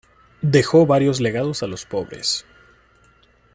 Dejó varios legados a los pobres.